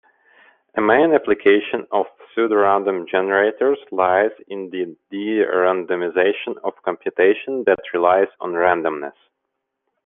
A main application of pseudorandom generators lies in the de-randomization of computation that relies on randomness.